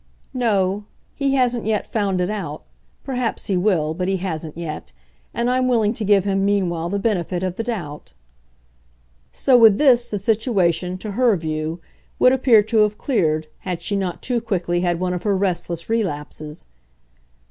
"No he hasn't yet found it out. Perhaps he will, but he hasn't yet; and I'm willing to give him meanwhile the benefit of the doubt." So with this the situation, to her view, would appear to have cleared had she not too quickly had one of her restless relapses.